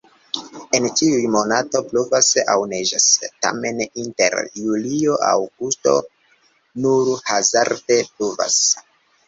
En ĉiuj monatoj pluvas aŭ neĝas, tamen inter julio-aŭgusto nur hazarde pluvas.